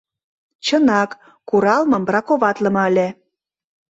Чынак, куралмым браковатлыме ыле.